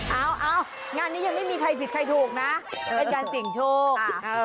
เอางานนี้ยังไม่มีใครผิดใครถูกนะเป็นการเสี่ยงโชค